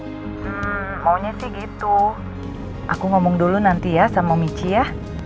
hmm maunya sih gitu aku ngomong dulu nanti ya sama michi ya